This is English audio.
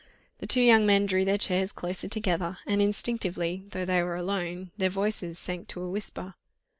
The two young men drew their chairs closer together, and instinctively, though they were alone, their voices sank to a whisper.